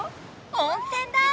温泉だ！